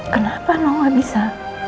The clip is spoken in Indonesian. kenapa mau nggak bisa